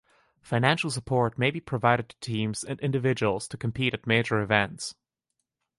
Financial support may be provided to teams and individuals to compete at major events.